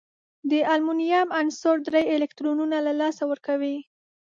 د المونیم عنصر درې الکترونونه له لاسه ورکوي.